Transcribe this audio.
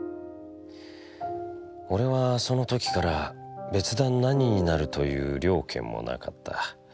おれはその時から別段何になるという了見もなかった。